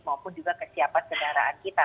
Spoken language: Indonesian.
maupun juga kesiapan kendaraan kita